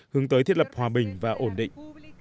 hướng tới thiết lập hòa bình và ổn định